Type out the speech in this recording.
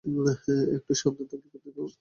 একটু সাবধান থাকলে ক্ষতি তো স্যার কিছু না।